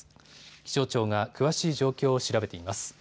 気象庁が詳しい状況を調べています。